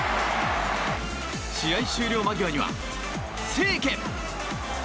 試合終了間際には、清家！